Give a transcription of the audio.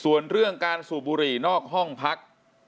ส่วนเรื่องการสูบบุหรี่นอกห้องพัก